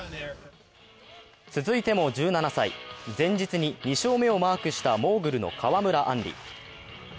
続いても１７歳、前日に２勝目をマークしたモーグルの川村あんり。